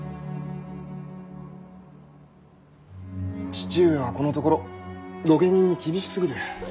父上はこのところ御家人に厳しすぎる。